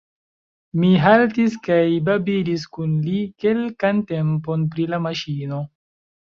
Mi haltis kaj babilis kun li kelkan tempon pri la maŝino.